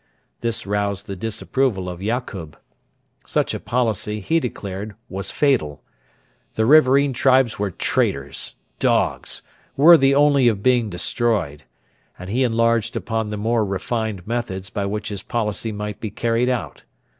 This roused the disapproval of Yakub. Such a policy, he declared, was fatal. The riverain tribes were traitors dogs worthy only of being destroyed; and he enlarged upon the more refined methods by which his policy might be carried out.